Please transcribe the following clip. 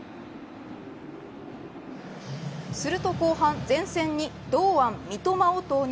すると後半前線に堂安、三笘を投入。